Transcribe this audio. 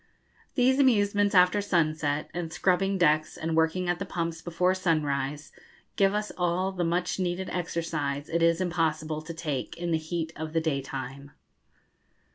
These amusements after sunset, and scrubbing decks and working at the pumps before sunrise, give us all the much needed exercise it is impossible to take in the heat of the daytime.